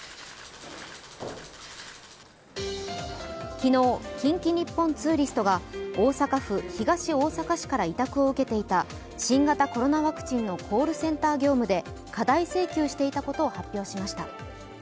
昨日、近畿日本ツーリストが大阪府東大阪市から委託を受けていた新型コロナウイルスのコールセンター業務で過大請求していたことを発表しました。